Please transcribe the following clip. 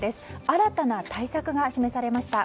新たな対策が示されました。